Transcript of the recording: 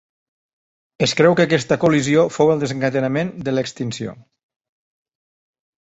Es creu que aquesta col·lisió fou el desencadenant de l'extinció.